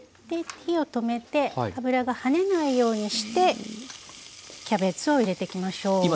で火を止めて油がはねないようにしてキャベツを入れてきましょう。